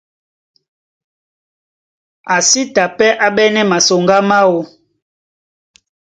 A sí ta pɛ́ á ɓɛ́nɛ́ masoŋgá máō.